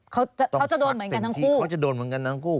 เขาเขาจะโดนเหมือนกันทั้งคู่เขาจะโดนเหมือนกันทั้งคู่